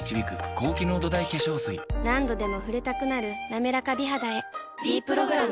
何度でも触れたくなる「なめらか美肌」へ「ｄプログラム」